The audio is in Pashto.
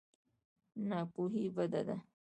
ناپوهي بده ده.